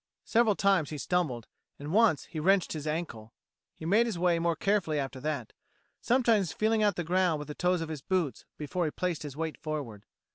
Several times he stumbled, and once he wrenched his ankle. He made his way more carefully after that, sometimes feeling out the ground with the toes of his boots before he placed his weight forward.